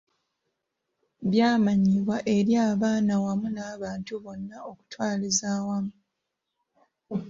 Byamanyibwa eri abaana wamu n’abantu bonna okutwaliza awamu.